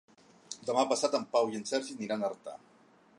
Demà passat en Pau i en Sergi aniran a Artà.